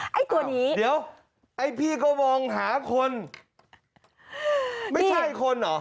ฮะเดี๋ยวไอ้พี่ก็มองหาคนไม่ใช่คนเหรอ